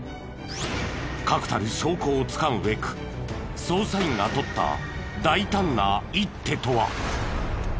確たる証拠をつかむべく捜査員が取った大胆な一手とは？